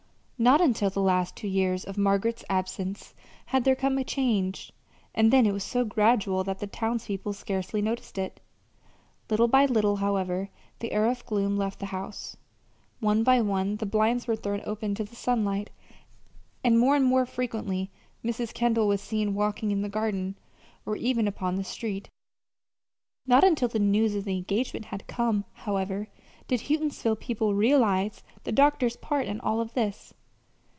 Not until the last two years of Margaret's absence had there come a change, and then it was so gradual that the townspeople scarcely noticed it. Little by little, however, the air of gloom left the house. One by one the blinds were thrown open to the sunlight, and more and more frequently Mrs. Kendall was seen walking in the garden, or even upon the street. Not until the news of the engagement had come, however, did Houghtonsville people realize the doctor's part in all this.